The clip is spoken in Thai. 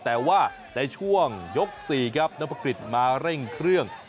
แต่ว่าในช่วงยก๔ครับนพกฤษมาเร่งเครื่อง